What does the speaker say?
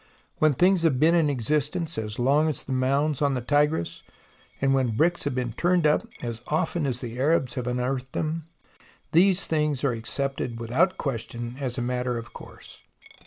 When things have been in existence as long as the m.ounds on the Tigris, and when bricks have been turned up as often as the Arabs have unearthed them, these things are accepted without question as a matter of course.